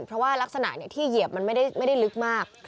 เพราะว่ารักษณะที่เหยียบมันไม่ได้ลึกมาก